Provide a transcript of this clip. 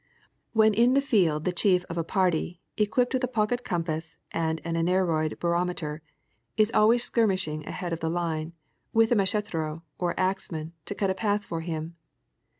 When in the field the chief of a party, equipped with a pocket compass and an aneroid barometer, is always skirmishing ahead of the line with a mach'etero, or axeman, to cut a path for him.